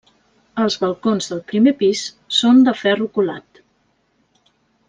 Els balcons del primer pis són de ferro colat.